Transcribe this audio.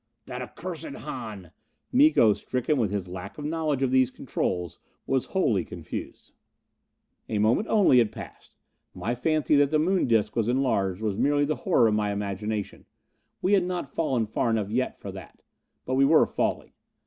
"That accursed Hahn " Miko, stricken with his lack of knowledge of these controls, was wholly confused. A moment only had passed. My fancy that the Moon disc was enlarged was merely the horror of my imagination. We had not fallen far enough yet for that. But we were falling.